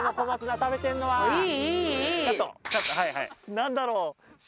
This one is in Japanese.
何だろう。